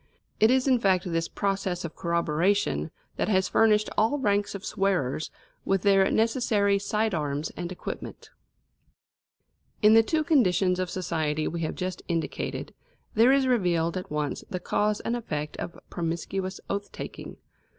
It is in fact this process of corroboration that has furnished all ranks of swearers with their necessary side arms and equipment. In the two conditions of society we have just indicated, there is revealed at once the cause and effect of promiscuous oath taking.